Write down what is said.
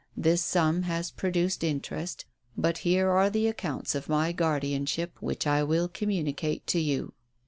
This sum has produced interest; but here are the accounts of my guardianship, which I will communicate to you."